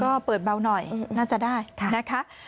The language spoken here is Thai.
ก็เปิดเบาหน่อยน่าจะได้นะคะ